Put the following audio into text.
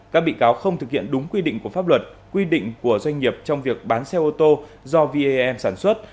các bị cáo không thực hiện đúng quy định của pháp luật quy định của doanh nghiệp trong việc bán xe ô tô do v e a m sản xuất